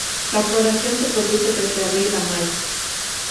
La floración se produce desde abril a mayo.